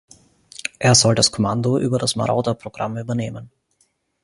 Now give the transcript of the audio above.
Er soll das Kommando über das Marauder-Programm übernehmen.